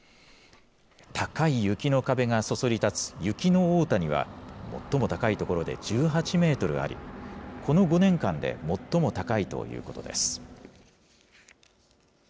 高い雪の壁がそそり立つ雪の大谷は、最も高い所で１８メートルあり、この５年間で最も高いということです。